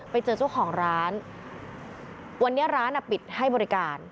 ไปเจอเจ้าของร้านวันนี้ร้านอ่ะปิดให้บริการ